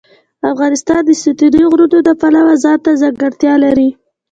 افغانستان د ستوني غرونه د پلوه ځانته ځانګړتیا لري.